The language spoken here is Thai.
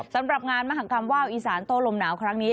สำหรับงานมหากรรมว่าวอีสานโต้ลมหนาวครั้งนี้